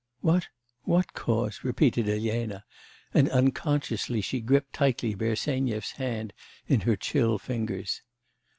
'What what cause?' repeated Elena, and unconsciously she gripped tightly Bersenyev's hand in her chill fingers.